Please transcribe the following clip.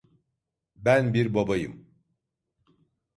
Ben bir babayım.